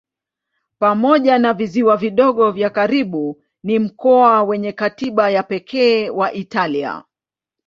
Pamoja na visiwa vidogo vya karibu ni mkoa wenye katiba ya pekee wa Italia.